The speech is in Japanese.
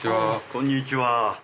こんにちは。